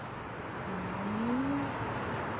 ふん。